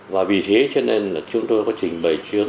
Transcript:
và vì thế cho nên là chúng tôi có trình bày trước